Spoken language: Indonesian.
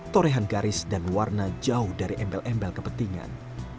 torehan garis dan warna jauh dari embel embel kepentingan